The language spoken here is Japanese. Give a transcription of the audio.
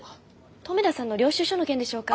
留田さんの領収書の件でしょうか？